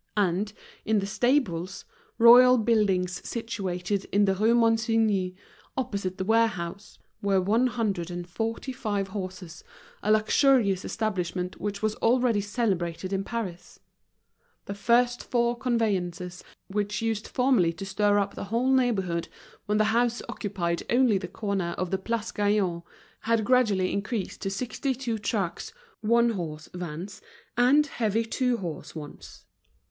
And, in the stables, royal buildings situated in the Rue Monsigny, opposite the warehouse, were one hundred and forty five horses, a luxurious establishment which was already celebrated in Paris. The first four conveyances which used formerly to stir up the whole neighborhood, when the house occupied only the corner of the Place Gaillon, had gradually increased to sixty two trucks, one horse vans, and heavy two horse ones.